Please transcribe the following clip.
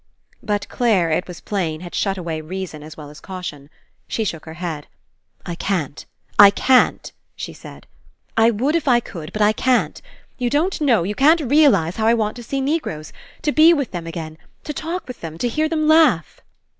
But Clare, It was plain, had shut away reason as well as caution. She shook her head. "I can't, I can't," she said. "I would If I could, but I can't. You don't know, you can't realize how I want to see Negroes, to be with them again, to talk with them, to hear them laugh."